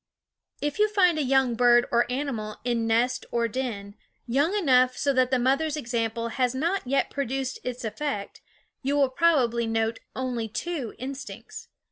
If you find a young bird or animal, in nest or den, young enough so that the mother's example has not yet produced its effect, you will probably note only two instincts.